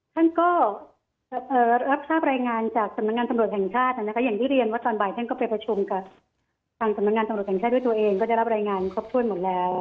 ท่านก็รับทราบรายงานจากสำนักงานตำรวจแห่งชาตินะคะอย่างที่เรียนว่าตอนบ่ายท่านก็ไปประชุมกับทางสำนักงานตำรวจแห่งชาติด้วยตัวเองก็ได้รับรายงานครบถ้วนหมดแล้ว